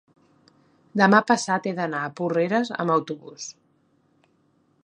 Demà passat he d'anar a Porreres amb autobús.